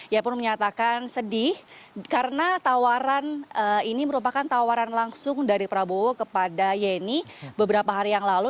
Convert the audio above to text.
ia pun menyatakan sedih karena tawaran ini merupakan tawaran langsung dari prabowo kepada yeni beberapa hari yang lalu